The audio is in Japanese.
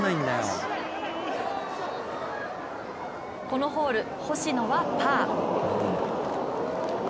このホール、星野はパー。